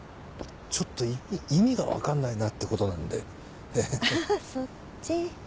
ちょっと意味が分かんないなってことなんで。